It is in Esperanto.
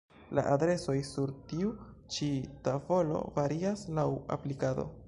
La adresoj sur tiu ĉi tavolo varias laŭ aplikado.